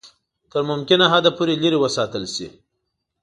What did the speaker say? تر ممکنه حده پوري لیري وساتل شي.